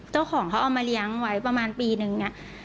เจ้าของเขาเอามาเลี้ยงไว้ประมาณปีนึงเนี่ย